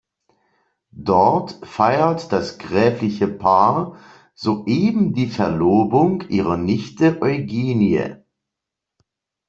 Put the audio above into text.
Dort feiert das gräfliche Paar soeben die Verlobung ihrer Nichte Eugenie.